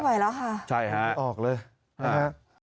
ไม่ไหวแล้วค่ะไม่ออกเลยใช่ค่ะ